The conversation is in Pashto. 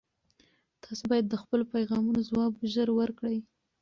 تاسي باید د خپلو پیغامونو ځواب ژر ورکړئ.